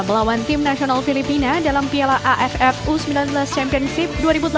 melawan tim nasional filipina dalam piala aff u sembilan belas championship dua ribu delapan belas